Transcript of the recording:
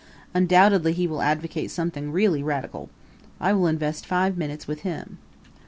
Undoubtedly he will advocate something really radical. I will invest five minutes with him."